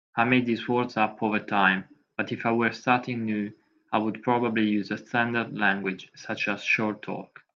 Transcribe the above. I made these words up over time, but if I were starting new I would probably use a standard language such as Short Talk.